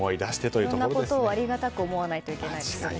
いろんなことをありがたく思わないといけないですよね。